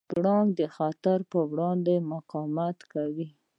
پړانګ د خطر پر وړاندې مقاومت کوي.